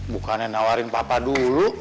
bukannya nawarin papa dulu